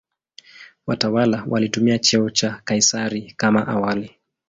Watawala walitumia cheo cha "Kaisari" kama awali.